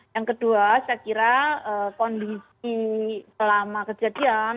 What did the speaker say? yang kedua saya kira kondisi selama kejadian